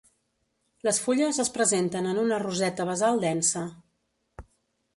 Les fulles es presenten en una roseta basal densa.